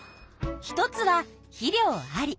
一つは「肥料あり」